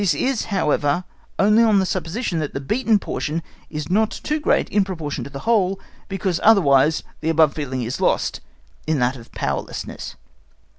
This is, however, only on the supposition that the beaten portion is not too great in proportion to the whole, because otherwise the above feeling is lost in that of powerlessness.